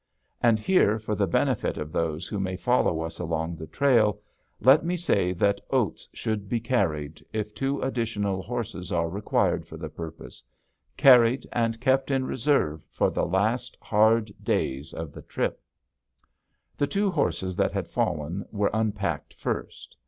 And here, for the benefit of those who may follow us along the trail, let me say that oats should be carried, if two additional horses are required for the purpose carried, and kept in reserve for the last hard days of the trip. The two horses that had fallen were unpacked first.